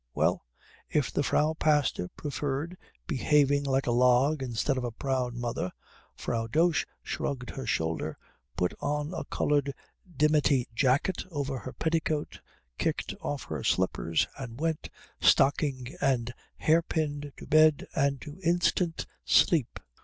Well, if the Frau Pastor preferred behaving like a log instead of a proud mother Frau Dosch shrugged her shoulder, put on a coloured dimity jacket over her petticoat, kicked off her slippers, and went, stockinged and hairpinned, to bed and to instant sleep.